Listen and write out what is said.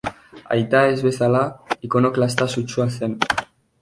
Aita ez bezala, ikonoklasta sutsua zen.